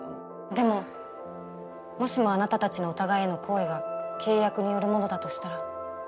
でももしもあなたたちのお互いへの好意が契約によるものだとしたら。